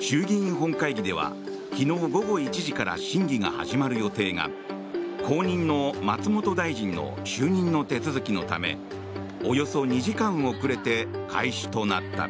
衆議院本会議では昨日午後１時から審議が始まる予定が後任の松本大臣の就任の手続きのためおよそ２時間遅れて開始となった。